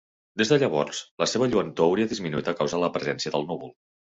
Des de llavors, la seva lluentor hauria disminuït a causa de la presència del núvol.